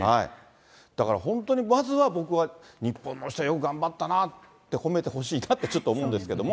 だから本当に、まずは僕は、日本の人はよく頑張ったなって褒めてほしいなって、ちょっと思うんですけれども。